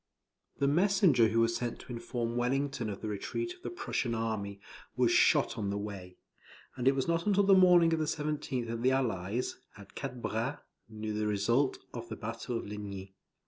The messenger who was sent to inform Wellington of the retreat of the Prussian army, was shot on the way; and it was not until the morning of the 17th that the Allies, at Quatre Bras, knew the result of the battle of Ligny.